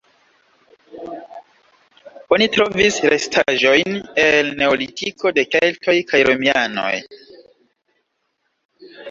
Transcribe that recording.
Oni trovis restaĵojn el neolitiko, de keltoj kaj romianoj.